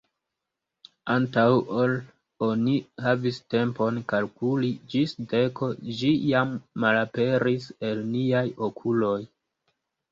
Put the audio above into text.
Antaŭ ol oni havis tempon kalkuli ĝis deko, ĝi jam malaperis el niaj okuloj.